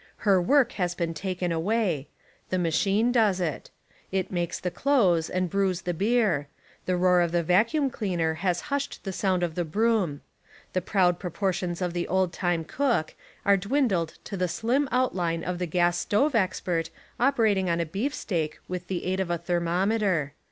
Her work has been taken away. The machine does it. It makes the clothes and brews the beer. The roar of the vacuum cleaner has hushed the sound of the broom. The proud proportions of the old time cook, are dwindled to the slim outline of the gas stove expert operating on a beefsteak with the aid of a thermometer.